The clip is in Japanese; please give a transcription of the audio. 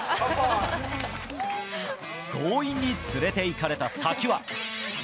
強引に連れていかれた先は。